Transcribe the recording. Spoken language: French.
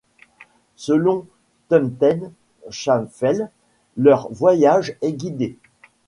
Selon Thubten Samphel, leur voyage est guidé.